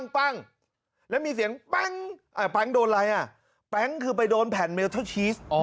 ปั้งแล้วมีเสียงปั้งปั้งโดนไรอะคือไปโดนแผ่นเมลว์เทอร์ชีส